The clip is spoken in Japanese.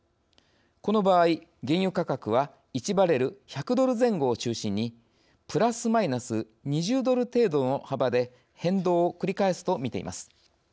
この場合原油価格は１バレル１００ドル前後を中心にプラスマイナス２０ドル程度の幅で変動を繰り返すと見ています。